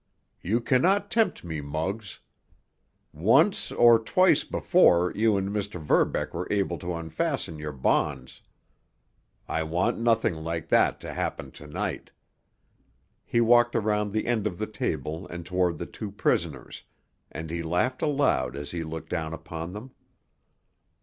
You cannot tempt me, Muggs. Once, or twice before you and Mr. Verbeck were able to unfasten your bonds. I want nothing like that to happen to night." He walked around the end of the table and toward the two prisoners, and he laughed aloud as he looked down upon them.